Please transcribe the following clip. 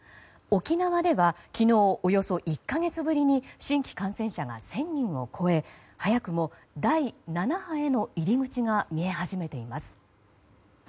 沖縄では昨日およそ１か月ぶりに新規感染者が１０００人を超え早くも第７波への入り口が見え始めています。